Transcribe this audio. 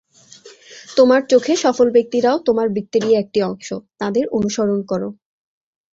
তোমার চোখে সফল ব্যক্তিরাও তোমার বৃত্তেরই একটি অংশ, তাঁদের অনুসরণ করো।